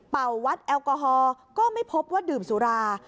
วัดแอลกอฮอล์ก็ไม่พบว่าดื่มสุรา